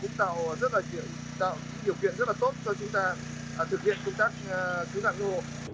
điều kiện rất là tốt cho chúng ta thực hiện công tác cứu nạn cứu hộ